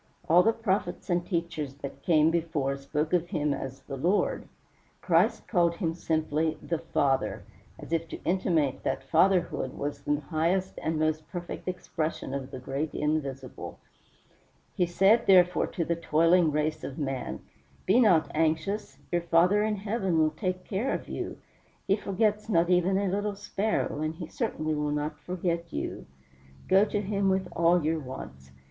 All the prophets and teachers that came before spoke of him as "the Lord." Christ called him simply "THE FATHER," as if to intimate that Fatherhood was the highest and most perfect expression of the great Invisible. He said, therefore, to the toiling race of man: "Be not anxious, your Father in Heaven will take care of you. He forgets not even a little sparrow, and he certainly will not forget you. Go to him with all your wants.